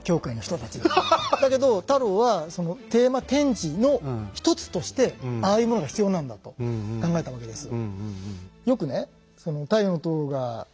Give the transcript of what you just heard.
だけど太郎はそのテーマ展示の一つとしてああいうものが必要なんだと考えたわけです。